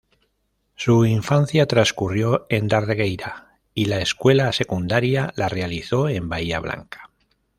Su infancia transcurrió en Darregueira y la escuela secundaria la realizó en Bahía Blanca.